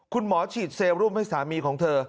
คุณหมอฉีดเซลรูปให้สามีของเธอ